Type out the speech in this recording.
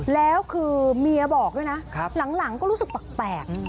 แล้วคือเมียบอกด้วยนะหลังก็รู้สึกแปลก